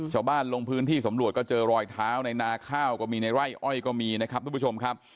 ชาวบ้านลงพื้นที่สำรวจก็เจอรอยเท้าในนาข้าวก็มีในไร่อ้อยก็มีนะครับทุกผู้ชมครับ